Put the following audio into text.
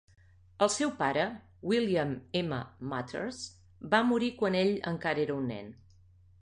El seu pare, William M. Mathers, va morir quan ell encara era un nen.